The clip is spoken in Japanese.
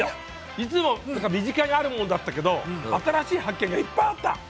いつも身近にあるものだったけど新しい発見がいっぱいあった。